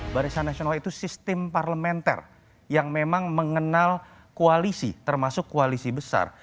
barisan nasional itu sistem parlementer yang memang mengenal koalisi termasuk koalisi besar